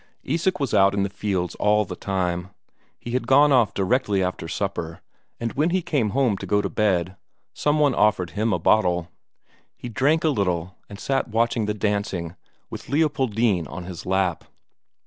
Isak was out in the fields all the time; he had gone off directly after supper, and when he came home to go to bed, some one offered him a bottle. He drank a little, and sat watching the dancing, with Leopoldine on his lap.